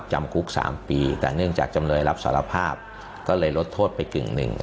จำคุก๓ปีแต่เนื่องจากจำเลยรับสารภาพก็เลยลดโทษไปกึ่งหนึ่ง